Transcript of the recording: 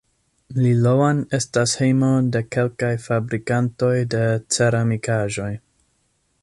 Liloan estas hejmo de kelkaj fabrikantoj de ceramikaĵoj.